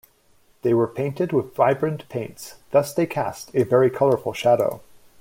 They were painted with vibrant paints, thus they cast a very colorful shadow.